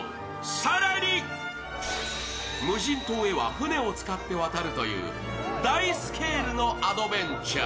更に無人島へは船を使って渡るという大スケールのアドベンチャー。